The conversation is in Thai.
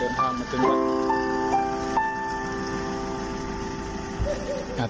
เดินทางมาถึงวัด